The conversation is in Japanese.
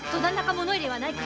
物入れはないか？